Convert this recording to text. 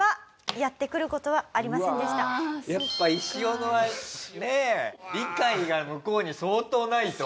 やっぱ石斧はねえ理解が向こうに相当ないと。